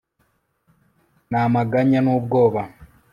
Namaganya nubwoba